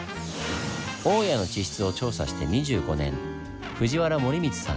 大谷の地質を調査して２５年藤原盛光さん。